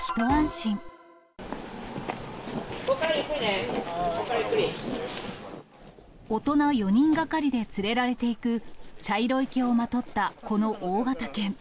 ここからゆっくりね、ここか大人４人がかりで連れられていく、茶色い毛をまとったこの大型犬。